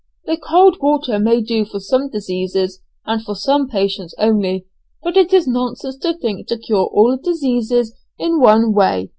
"The cold water may do for some diseases and for some patients only, but it is nonsense to think to cure all diseases in one way.